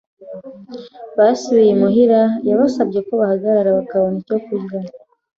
Basubiye imuhira, yabasabye ko bahagarara bakabona icyo kurya.